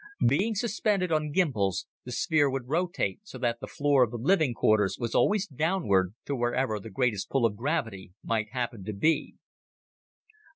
Being suspended on gymbals, the sphere would rotate so that the floor of the living quarters was always downward to wherever the greatest pull of gravity might happen to be.